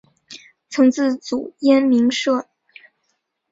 曾自组燕鸣社。